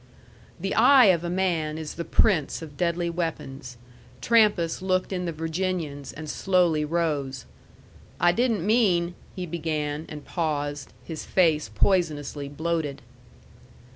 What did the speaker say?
The eye of a man is the prince of deadly weapons. Trampas looked in the Virginian's, and slowly rose. "I didn't mean " he began, and paused, his face poisonously bloated.